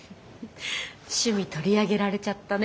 趣味取り上げられちゃったね。